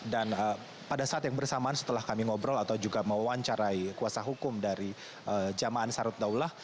dan pada saat yang bersamaan setelah kami ngobrol atau juga mewawancarai kuasa hukum dari jamaan sarut daulah